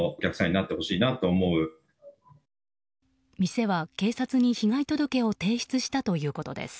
店は警察に被害届を提出したということです。